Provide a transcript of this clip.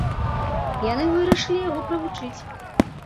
Яны вырашылі яго правучыць.